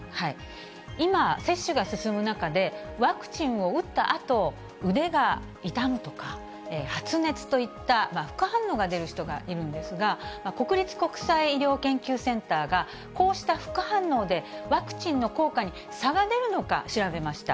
今、接種が進む中で、ワクチンを打ったあと、腕が痛むとか、発熱といった副反応が出る人がいるんですが、国立国際医療研究センターが、こうした副反応で、ワクチンの効果に差が出るのか調べました。